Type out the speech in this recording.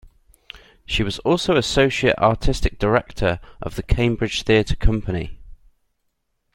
She was also associate artistic director of the Cambridge Theatre Company.